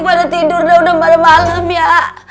pada tidur sudah pada malam ya